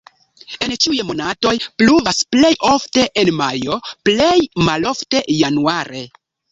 En ĉiuj monatoj pluvas, plej ofte en majo, plej malofte januare.